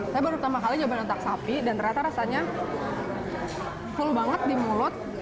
saya baru pertama kali nyobain otak sapi dan ternyata rasanya full banget di mulut